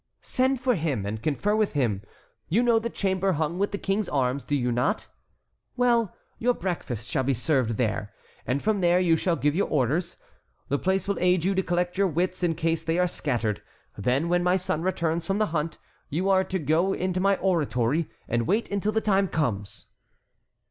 "Send for him, and confer with him. You know the chamber hung with the King's arms, do you not? Well, your breakfast shall be served there; and from there you shall give your orders. The place will aid you to collect your wits in case they are scattered. Then when my son returns from the hunt, you are to go into my oratory, and wait until the time comes."